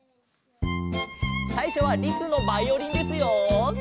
さいしょはリスのバイオリンですよ。